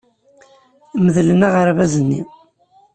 Medlen aɣerbaz-nni.